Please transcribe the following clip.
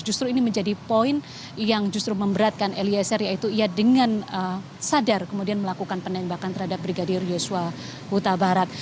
justru ini menjadi poin yang justru memberatkan eliezer yaitu ia dengan sadar kemudian melakukan penembakan terhadap brigadir yosua huta barat